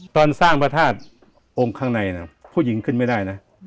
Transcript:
ตอนสร้างพระธาตุองค์ข้างในผู้หญิงขึ้นไม่ได้นะ